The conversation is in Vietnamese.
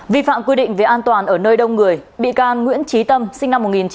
vi phạm quy định về an toàn ở nơi đông người bị can nguyễn trí tâm sinh năm một nghìn chín trăm tám mươi